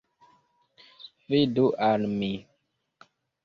Fidu al mi!